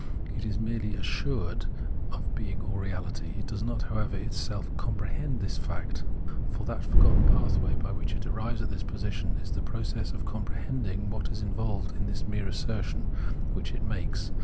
It is merely assured of being all reality ; it does not, however, itself com prehend this fact ; for that forgotten pathway by which it arrives at this position, is the process of compre hending what is involved in this mere assertion which it makes.